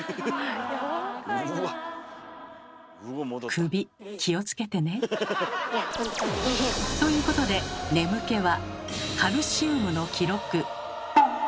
首気をつけてね。ということでうわ。